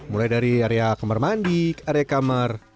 mulai dari area kamar mandi area kamar